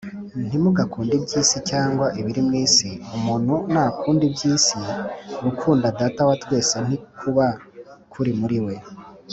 Ntimugakunde iby’isi cyangwa ibiri mu isi. Umuntu nakunda iby’isi, gukunda Data wa twese ntikuba kuri muri we